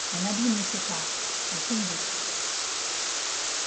Un abîme les sépare, le tombeau.